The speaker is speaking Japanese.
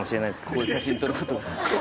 ここで写真撮ること。